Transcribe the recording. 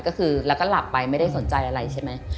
ก็คือแล้วก็หลับไปไม่ได้สนใจอะไรใช่ไหม